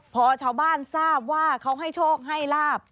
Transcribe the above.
พอชาวบ้านทราบว่าเขาให้โชคให้ลาบ